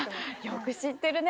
よく知ってるね。